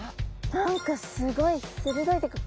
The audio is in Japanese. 何かすごい鋭いっていうか。